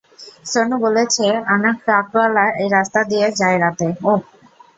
সনু বলেছে, অনেক ট্রাকওয়ালা এই রাস্তা দিয়ে যায় রাতে, - ওহ।